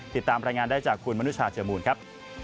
ติดตามรายงานได้จากคุณมนุชาเจอมูลครับ